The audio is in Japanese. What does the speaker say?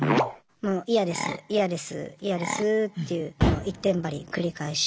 もう嫌です嫌です嫌ですっていうもう一点張り繰り返しだったんですよね。